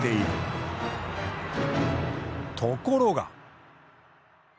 ところが。